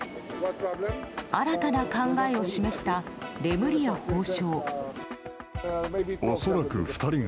新たな考えを示したレムリヤ法相。